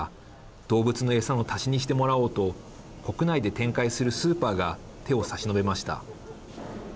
動物の餌の足しにしてもらおうと国内で展開するスーパーが手を差し伸べました。